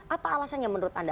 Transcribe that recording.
apa alasannya menurut anda